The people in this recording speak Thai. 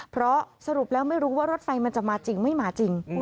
เพราะสรุปแล้วไม่รู้ว่ารถไฟมันจะมาจริงไม่มาจริง